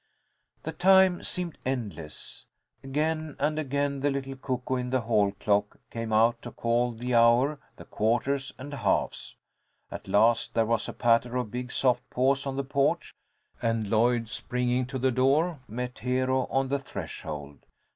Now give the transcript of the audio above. The time seemed endless. Again and again the little cuckoo in the hall clock came out to call the hour, the quarters and halves. At last there was a patter of big soft paws on the porch, and Lloyd springing to the door, met Hero on the threshold.